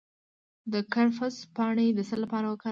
د کرفس پاڼې د څه لپاره وکاروم؟